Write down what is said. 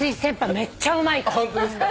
めっちゃうまいから。